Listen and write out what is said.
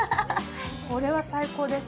これは最高です。